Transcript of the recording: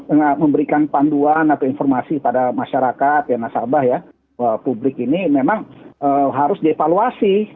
dengan memberikan panduan atau informasi pada masyarakat nasabah publik ini memang harus dievaluasi